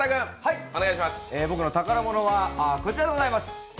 僕の宝物はこちらでございます。